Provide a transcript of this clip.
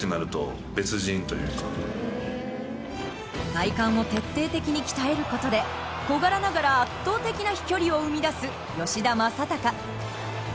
体幹を徹底的に鍛える事で小柄ながら圧倒的な飛距離を生み出す吉田正尚。